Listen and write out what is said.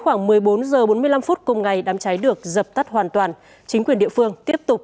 khoảng một mươi bốn h bốn mươi năm phút cùng ngày đám cháy được dập tắt hoàn toàn chính quyền địa phương tiếp tục